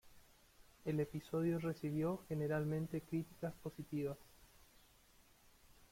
El episodio recibió generalmente críticas positivas.